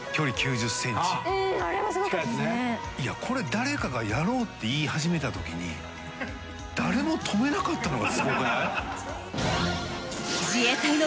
これ誰かが「やろう」って言い始めたときに誰も止めなかったのがすごくない？